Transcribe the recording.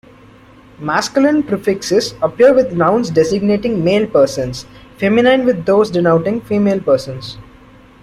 Masculine prefixes appear with nouns designating male persons, feminine with those denoting female persons.